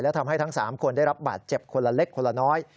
และทำให้ทั้ง๓คนได้รับบาดเจ็บคนละเล็กคนละน้อย